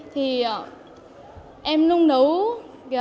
thì em sẽ có một số đoàn huy chương vàng và bằng khen